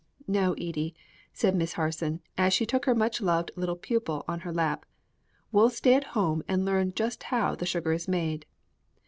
"No, Edie," said Miss Harson as she took her much loved little pupil on her lap; "we'll stay at home and learn just how the sugar is made.